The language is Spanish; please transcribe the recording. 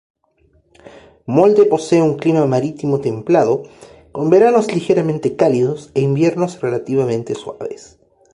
Molde posee un clima marítimo templado con veranos ligeramente cálidos e inviernos relativamente suaves.